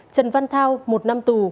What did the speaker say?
trần văn thao một năm tù